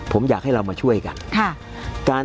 ผมอยากให้เรามาช่วยกัน